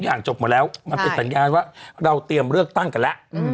ศิลป์สิ่งทุกอย่างจบมาแล้วมันเป็นสัญญาณว่าเราเตรียมเลือกตั้งกันแหละ